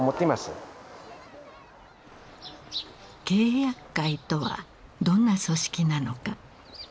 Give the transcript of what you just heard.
契約会とはどんな組織なのか。